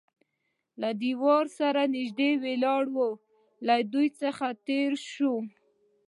له دېوال سره نږدې ولاړ و، له دوی څخه تېر شوو.